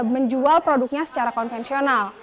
menjual produknya secara konvensional